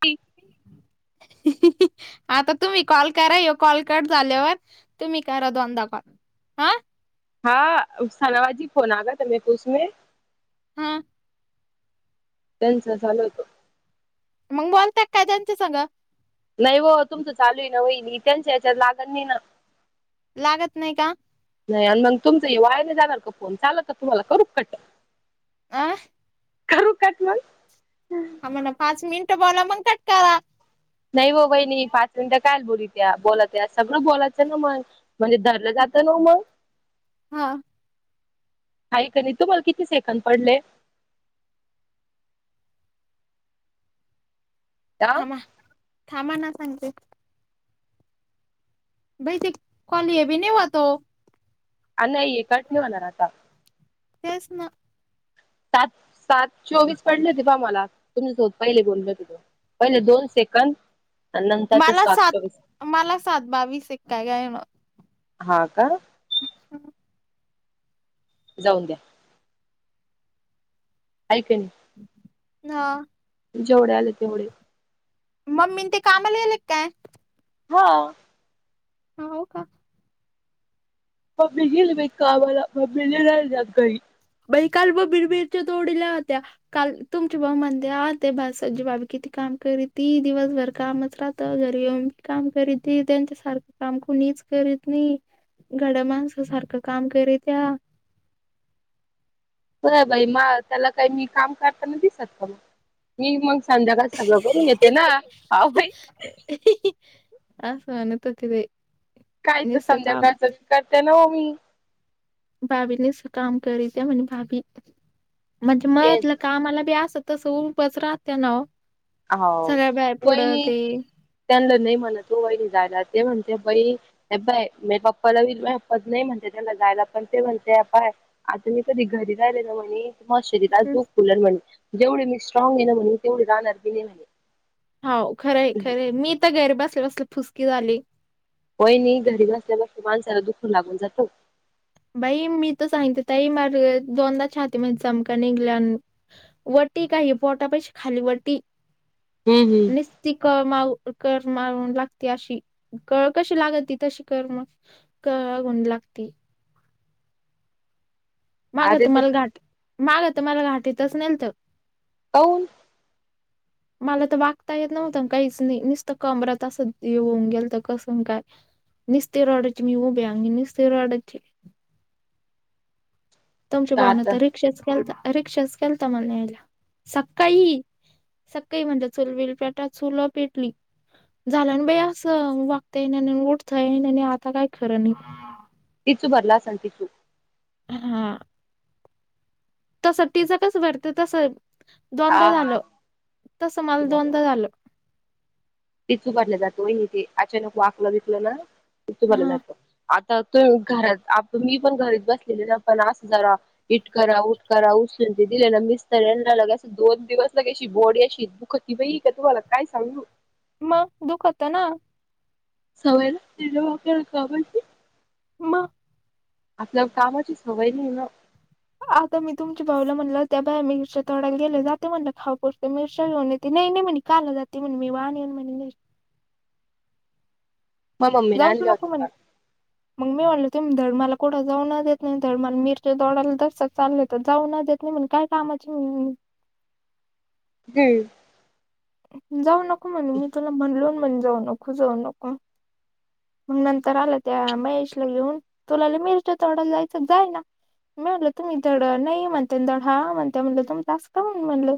P. हहहह. आता तुम्ही कॉल करा, यो कॉल कट झाल्यावर, तुम्ही करा दोनदाा कॉल हां. हा,, सनवाजी फोन आग तमसे. हा, त्यांच चालू होतं. मग बोलतात का ज्यांचे सांग. नाही हो तुमचं चालू आहे ना होई त्यांच्या याच्यात लागण नाही ना. लागत नाही का? नाही आणि मग तुमचं वायने जाणार का फोन चाल का तुम्हाला करू खट्ट. आ करू काठवण. हा म्हणा पाच मिनटं बोला, मग कट करा. नाही हो वहिणी, पाच मिनिटं कायल बोरीत्या, बोलात त्या सगळं बोलायचं ना मग. म्हणजे धरलं जात ना मग. हा, हाय का नाही? तुम्हाला किती सेकंदड पडले. आणि थांमा,, थांमा ना सांगते. बैसे, कॉली हे ब नाही होत हो. नाही एकाट नाही होणार आताऽ तेच ना. सात, सात चोवीस पडले होते बा मला तुम्ही झ होत पहिले बोलल तिथोऽ. पहिले दोन सेकंदऽ. मला सात, मला सात बावीस एक काय कायणऽ. हा का? अच्छा, जाऊन द्या. आय क नै? हा, जेवढे आले तेवढे. मग मी ते कामाला गेले काय? हा, हा हो का? म्बी झीलल व कावाला म्बी ल जग गईऽ बई काल म बिरबिरच्या तोडील्या होत्या, काल तुमचे भाऊ म्हणतात द्या आ तेजी बाबी किती काम करी ती, दिवसभर कामच राहऽ त घरी येऊनी काम करीती, त्यांच्यासारखं काम कुणीच करीत नाही. गड्या माणसा सारखं काम करे त्याऽ होना बाई, म त्याला काही मी काम करताना दिसत का मग? मी मग संध्याकाळ सगळं करून घेते ना,,, हा भाई. आ स म्हनत होते ते. कायच निसतं काम संध्याकाळचं,, करते ना ओ मी. भाभीनेच काम करीच म्हणे, भाभी म्हणजे म तेच लऽ त आम्हाला बी एस तस उबच राहत्या ना ओ हो सगळ्या बा पुढं वहिनी ते त्यांना नाही म्हणत तो वाहिनी जायला ते म्हणते बई हेय म पप्पाला्पा नाही म्हणते त्याला जायला पण ते म्हणते आपय आता मी कधी घरी राहिले ना म्हणे तुम्हा शरीरराात झूखुल म्हणणे जेवढी मी स्ट्रॉंग ये म्हणून तेवढी राहणार बी नाही म्हणे हाव खरं खरे मी तर घरी बसले बसले फुसकी झाली होय नाही घरी बसल्या बसल्या माणसाला दुःख लागून जातं बाई मी तर सांगते ताई माझ्या दोनदा छातीमध्ये चमका निघला वटी काय पोटा पशी खाली वटी हम्म हम्म. निस ती कमाव करमाारून लागती अशी कळ कशी लागती तशी करम क गंद लागती माग अरे ते तुम्हाला घाट मागं तुम्हाला घाटीतच नेलत काऊन [unintelligible] मला तर वाकता येत नव्हतं काहीच नाही,, नुसतं कमर त असं होऊन गेल तर कसं काय? निसते रॉडाची मी उभे, आणी निसते रॉडाचेऽ तुमच्या का भावना आता तर रिक्षाच केलता,, रिक्षाच केलता मला न यायला,, सकाळीऽ सकाळी म्हणजे चुलबिल पेटवायच,, चुलं पिटलीऽ झालं आणि बाई असं,, वाकता येना उठतय नाही आता काय खरं नाहीऽ तिचू भरला स तीच हम्म तस तीझ कस भरत तस हा दोनदा हा झालं टिचू तस मला दोनदा झालं तिचू भरलं जातो ते अचानक वाकलं विकलं ना तिचू भारलं हा जातं आता तू घरात आ मी पण घरीच बसलेले ना पनस हजार इट करा उट करा उसर दिले ना मिस्तर लगायच दोन दिवस लगाशी बोड अशी दुखत बाई का तुम्हाला काय सांगू मग दुख होतं ना सवयला त व कची म आपल्या कामाची सवय नाही ना आता मी तुमच्या भाऊला म्हणलं त्या ताईमच्या तड्याला गेले जाते म्हणलं खापूर मिरश घेऊन येते नाही नाही म्हणे कामाला जाते म्हणे मी बा येन म्हणे मग मम्मीने जाऊस आणला नको होता म्हणे काल. मग मी म्हटल ते धडमाला कुठ जाऊन नाही देत नाही धड मला मिरच्या तोडायला तर जस चालले तर जाऊन नाही देत नाही म्हण काय कामाची काय जाऊ नको म्हणे मी तुला म्हणलो म्हणे जाऊ नको जाऊ नको मग नंतर आला त्या महेशला घेऊन तुला लई मिरच्या तोडायला जायचं जाय ना म्हणलं तुम्ही ड नाही म्हणता ड हा म्हणते म्हणलं तुम जास् का म्हण म्हणलं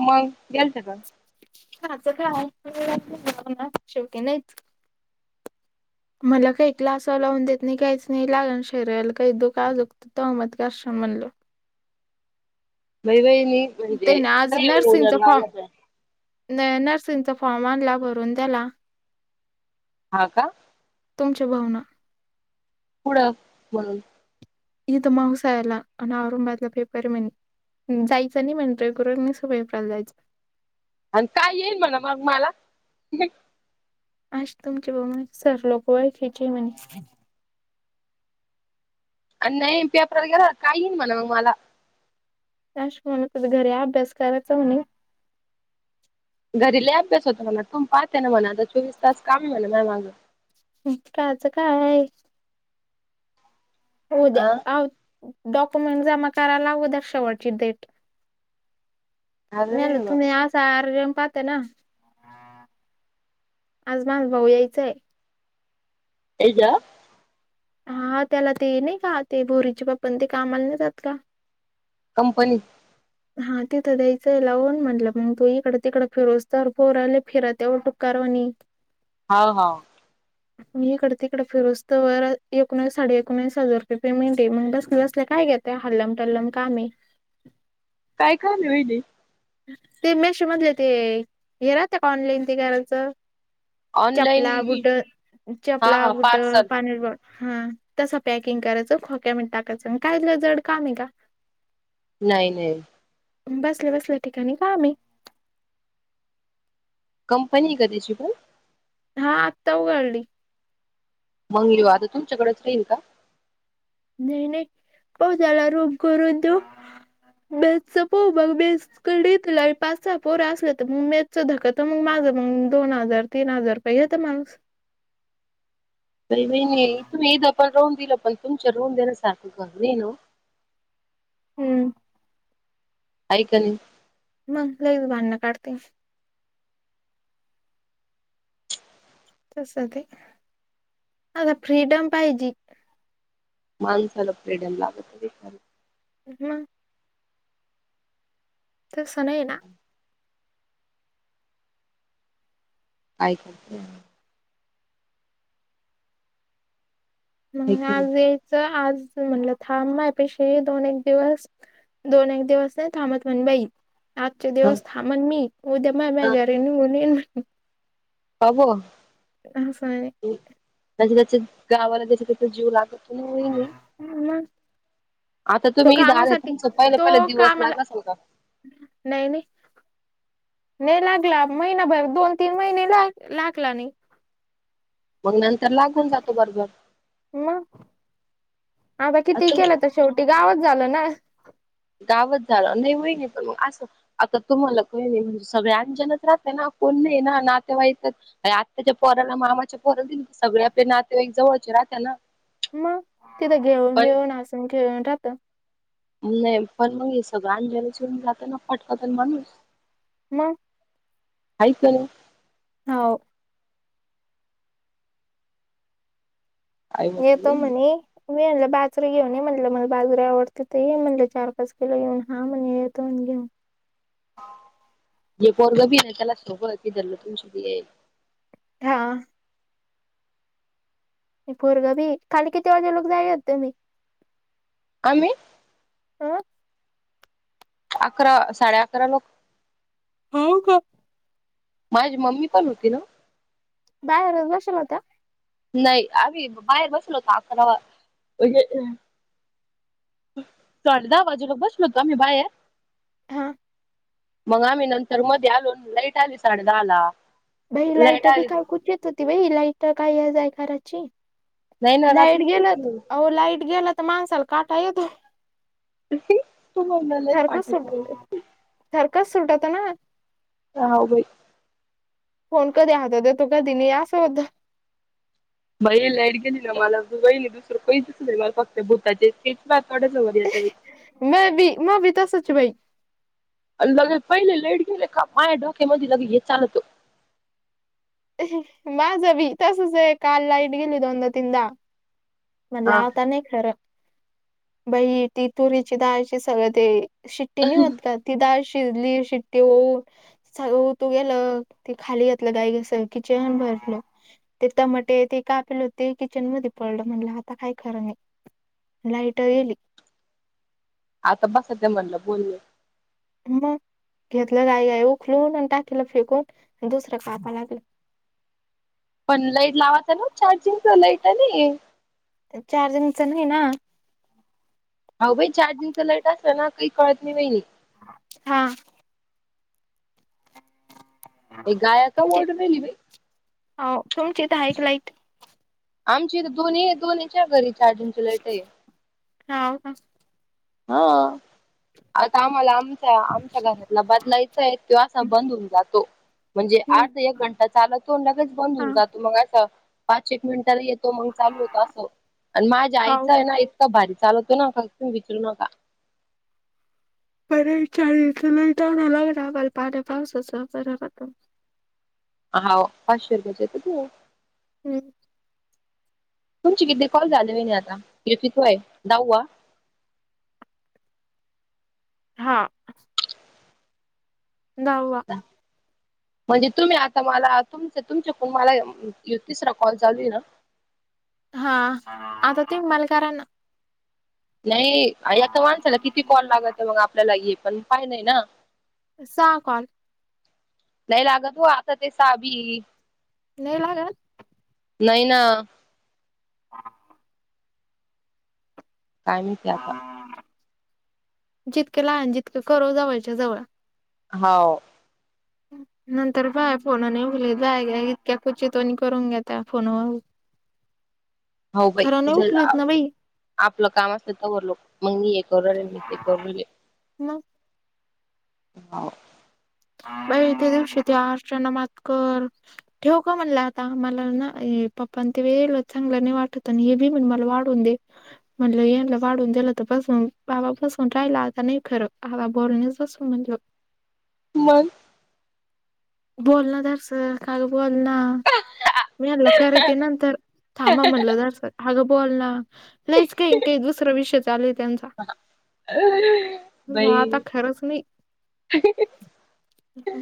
मग गेलत का. खाचं काय [unintelligible] शेवटी नाहीच. मला काही क्लासल लावून देत नाही काहीच नाही लागणार शरीराला काही दोका तोमत कश म्हणलो. बई बईणी ते म्हणजे ना नाही होणार माझ्यासन. नाही नर्सिंगचा फॉर्म आणला भरून त्याला. हा का! तुमच्या भावन. पुढं म्हणून. इथ माउसयला आणि आर बादला पेपर मनी हम्म जायचं नाही म्हणतय करून मीच पेपरला जायचं. आणि काय येईल म्हणा मग मला? आज तुमचे बघून सर लोक वळख्यायचे म्हणे. आणि नाही पेपरवर गेला काही येईन म्हणा मग मला! काश कोणी घरी अभ्यास करायचा होणे. घरीला अभ्यास होत म्हला तूम पाहते ना म्हणा आता चोवीस तास काम म्हला नाही माझं. त्याचं काय आहे. हो द्या आ आहोत डॉक्युमेंट जमा करायला लागू द्या शेवटची डेट. अरे झालं वा तुम्ही आज सार पाहत ना आज मास भाऊ यायचंय. एजा हा त्याला ते नाही का! ते भोरीचे बाप्पन ते कामाला नाहीे जात का? कंपनीत. हा तिथं द्यायचंय लावून म्हटलं मग तू इकड तिकडं फिरोस तर पोराले फिरा त्यावर टु कारवानी? [inaudible] हा हा. [inaudible] म इकडं तिकड फिरोस्तव एकोणीस साडेएकोणिस हजार रुपये पेमेंट आहे म्हण बससल्या काय ये त्या हल्लम तल्लम काय माही काय खाली होईली. ते मेश मधले ते हे राहात का ऑनलाईन ते करायचं. चपला ऑनलाईन बुट हा चपला हा बुट पार्सल पाणी बॉट हा तस पॅकिंग करायचं खोक्या मि टाकायचं कायलं जड काम आहे का? नाही नाही. बसल्या बसल्या ठिकाणी काय माहित. कंपनी आहे का त्याची पण? हा आत्ता उघाडली. मंगली वा आता तुमच्याकडेच राहील का? नाही नाही पो त्याला रोग करून देऊ बेसच पो बघ बेस. करडई तुला पाचचा पोर असले तर मग मेचच धकत मग माझं मग दोन हजार, तीन हजार काहि होता माणूस. बई बई [unintelligible] तुम्हीदा पण रोहन दिलं पण तुमच्या रोहून देण्यासारखं कर ना! हम्म! ऐकणे. मग लग भांडणं काढते. तस ते आता फ्रीडम पाहिजे. माणसाला फ्रीडम लागत. हम. त स नाहीय ना. आयक हे मग की आज वेयचं आज म्हणलं थांब ना पेशी दोन एक दिवस. दोन एक दिवस नाही थांमत म्हण बाई. आजचे नाही दिवस थांबन मी उद्या मा मा घरने उन येन म का ब हसाय त्याची जाची गावाला जसं त्याचा जीव लागत. म आता तो तुम्ही इथं आले कामासाठी तुमचं पहिले तो पहिले दिवस कामाला लाग असेल का नाही नाही. नाही लागला महिनाभर दोन तीन महिने ला लागला नाही. मग नंतर लागून जातो बरोबर. मग हाता किती आता केलं तर शेवटी गावच झालं ना? गावच झालं नाही होई नाही पण मग असं. आता तुम्हाला काही नाही म सगळ्या अनजाणच राहत ना कोण नाही ना नातेवाईकत आय आताच्या पोराला मामाच्या पोरं दिली सगळे आपले नातेवाईक जवळचे राहत्या ना. मग तिथं घेऊन, पण मिळून, हसून, खेळून राहतं. नाही पण मग सगळं आंजलासिरून जातं ना पटकत म्हणूस म हाय क नाय. हाव आई येतो होत म्हणे मी म्हणलं बाजरीे घेऊन ये म्हटलं मला बाजरी आवडते त म्हटलं चार-पाच किलोे घेऊन हा म्हण येतो घेऊन. ले पोरगा बी आहे त्याला सोबत देलं की तून सुधी आहे. हा पोरगा बी खाली किती वाजे लोक जाय तुम्ही? आम्ही हो अकरा साडे अकरा ला. हो का? माझी मम्मी पण होती ना? दायर वर बशल होत्या? नाही आम्ही बाहेर बसलो होत अकरावा हे हा. साडे दहा वाजूला बसलो होतो आम्ही बाहेर. हां मग आम्ही नंतर मध्ये आलो लाईट आली साडे दहाला. बाई लाईट बी काकूच येत होती बाई लाईट काय आहे जाय करायची. नाही ना लाईट रात्री गेलेतअहो लाईट गेला तर माणसाला काटा येतो. तुम्हाला लाईट सारखं पाठत सुट नाही सारखंच सुटाता ना. हाव बाई. फोन कधी आहेत होते तो कधी नाही असं होतं. बाई लाईट गेली ना मला काही नी दुसरं कोहीचाच नाही मला फक्त भुताचे [unintelligible] थोड्याचं वर येते बाई. म बी म बी तरसच बाई. लगे पहिले लाईट गेले का माय्या डोक्यामध्ये लगे हे चालतो. माझावी तसच आहे काल लाईट गेली दोनदा-तीनदा. म्हण हा लावता नाही खरं. बई ती तुरीची डाळची सगळं ते शिट्टी नि होत का? ती डाळ शिजली शिट्टी होऊ स होऊ तू गेलं ती खाली घातलं गाई घस ते किचेहान भरकलो. ते टमाटे ते कापले होते किचन मध्ये पडलं म्हणला आता काय खरं आहे. लाईटं गेली आता बस ते म्हणलं बोललं. मग घेतलं गई गय उखलून आणि टाकीलं फेकून दुसरं कापा लागलं. [inaudible] पण लाईट लावत आहे ना चार्जिंगच लाईट आहे आणि चार्जिंग च नाही ना. हो भाई चार्जिंगचा लाईट असला ना काही कळत नाही नाहीई. हा. एक गायक तुमची वर्ड मेल म. हो तुमची इथ ऐकलाईट. आमची दोन्ही दोन्हीच्या घरीची अजूनची ललेट आहे. हो का. हा. आता आम्हाला आमच्या आमच्या घरातला बदलायचा आहे तो असा बंद होऊन जातो. म्हणजे हम्म आर्धा एक घंटा चालतो लगेच बंद हा होऊन जातो मग असं पाच एक मिनिटाला तो मग चालू होता असं आणि माझ्या हाव आईचं आहे ना इतका भारी चालवतो ना विचरू नका. बर विचारी [unintelligible] पावसाच बर आता हो पाचशे रुपये. [inaudible] हम्म. तुमचे किती कॉल झाले वहीणी आता नाही आता हा कितवा आहे दहावा. हा. दहावा. म्हणजे तुम्ही आता मला तुमच तुमचे मला तिसरा कॉल चालू आहे ना. हा आता तुमी मला करा ना. नाही एका माणसाला किती कॉल लागत मग आपल्याला ये पण माहीत नाही ना. सहा काॅल. नाही लागत हो आता ते साभी नाही लागत. नाही ना. काय माहिती आता जितकं लहान जितकं करो जवळच्या जवळ. हो. नंतर बाय फोनने उघल बाय इतक्या कुचितोणी करून घेतता्या फोनवर. [unintelligible] हो बाई खरं नाही चला. उकलीत ना बाई आपलं काम असत तोवर लोक मग मी हे कर रे मी ते करू. मग. हो. अ तेे दिवशी ते अर्चना मातकर. ठेव का म्हणला आता मला ना पप्पा ते वेळ चांगलं नाही वाटत आणि हे बी म्हण मला वाट हो. म्हणलं यांना वाढून दिलं तर बसून बावा बसून राहिला आता नाही खरं हवा बोलणेच असू म्हणलं. मग. बोल ना तस. काय बोलना मी करते नंतर थांबा म्हणलं जरास. बोलना लईच दुसरा विषय चालूय त्यांचा अ म्हणलं बाई. आता खरंच नाही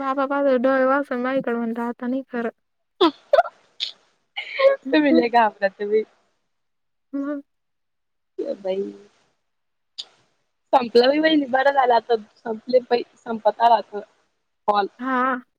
बाबा पाहिले डोळे वटारून इकड म्हणल आता नाही खरं. तूम्ही ली घाबरता नाही. हम्म बाई. संपल बाई बरं झालं आता संपले बाई संपत आला आता काॅल. हा हा.